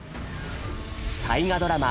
大河ドラマ